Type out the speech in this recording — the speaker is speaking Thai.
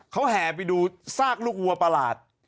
เขาแห่ไปดูซากลูกวัวประหลาด